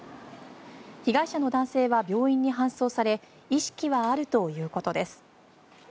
被害者の男性は病院に搬送され意識はあるということです。